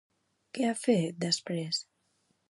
Què ha fet després?